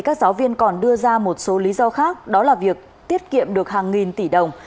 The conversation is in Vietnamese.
các giáo viên còn đưa ra một số lý do khác đó là việc tiết kiệm được hàng nghìn tỷ đồng